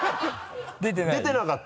出てなかった？